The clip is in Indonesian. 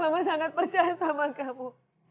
kamu sangat percaya sama kamu